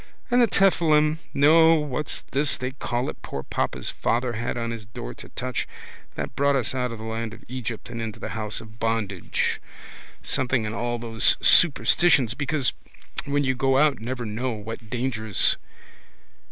And the tephilim no what's this they call it poor papa's father had on his door to touch. That brought us out of the land of Egypt and into the house of bondage. Something in all those superstitions because when you go out never know what dangers.